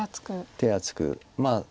手厚くまあ。